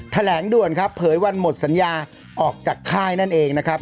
แถลงด่วนครับเผยวันหมดสัญญาออกจากค่ายนั่นเองนะครับ